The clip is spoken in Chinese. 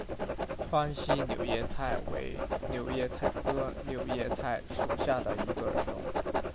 川西柳叶菜为柳叶菜科柳叶菜属下的一个种。